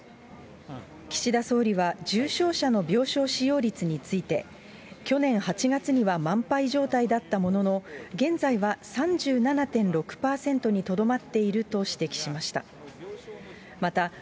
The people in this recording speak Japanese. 岸田総理は重症者の病床使用率について、去年８月には満杯状態だったものの、現在は３７．６％にとどまっていると指摘しました。